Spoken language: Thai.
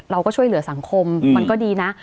เราก็ช่วยเหลือสังคมมันก็ดีนะ